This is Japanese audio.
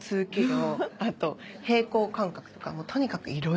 あと平衡感覚とかとにかくいろいろ。